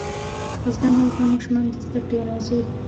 بزګان د افغان ماشومانو د زده کړې یوه موضوع ده.